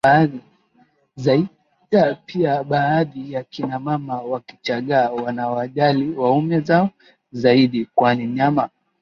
zaidiPia baadhi ya kina mama wa Kichaga wanawajali waume zao zaidi kwani nyama